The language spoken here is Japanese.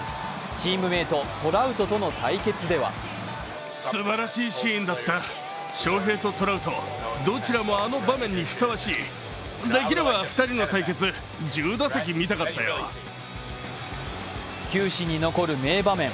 チームメート、トラウトとの対決では球史に残る名場面。